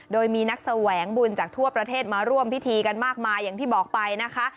โดยมีนักแสวงบุญจากทั่วประเทศมาร่วมพิธีกันมากมายอย่างที่บอกไปนะคะ